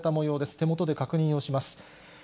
手元で確認をします。